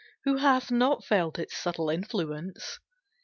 Who hath not felt Its subtle influence?